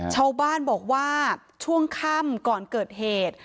ชาวบ้านบอกว่าช่วงค่ำก่อนเกิดเหตุ